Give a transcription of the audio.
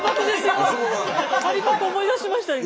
借りパク思い出しました今。